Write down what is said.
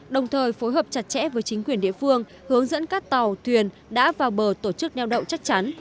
đồng thời phối hợp chặt chẽ với chính quyền địa phương hướng dẫn các tàu thuyền đã vào bờ tổ chức neo đậu chắc chắn